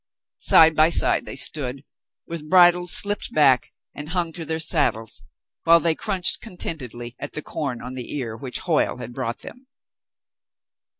Side by side they stood, with bridles slipped back and hung to their saddles, while they crunched contentedly at the corn on the ear, which Hoyle had brought them.